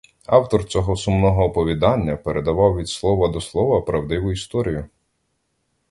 Автор цього сумного оповідання передав від слова до слова правдиву історію.